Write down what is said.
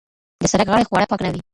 د سرک غاړې خواړه پاک نه وي.